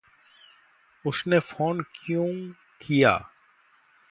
उसने फ़ोन क्यूँ किया?